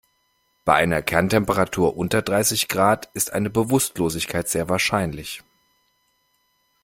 Bei einer Kerntemperatur unter dreißig Grad ist eine Bewusstlosigkeit sehr wahrscheinlich.